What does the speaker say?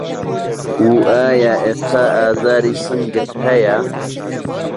و ئایا ئێستا ئازاری سنگت هەیە؟